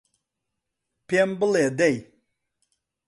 پێم بڵێ دەی